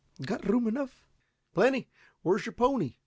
Got room enough?" "Plenty. Where's your pony?"